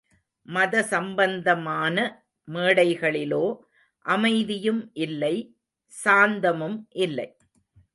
மதசம்பந்தமான மேடைகளிலோ அமைதியும் இல்லை சாந்தமும் இல்லை.